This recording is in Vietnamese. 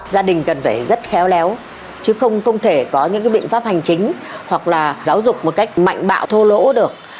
gia đình cần phải rất khéo léo chứ không thể có những biện pháp hành chính hoặc là giáo dục một cách mạnh bạo lỗ được